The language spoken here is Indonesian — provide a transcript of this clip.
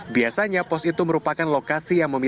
biasanya pos itu merupakan lokasi yang berbeda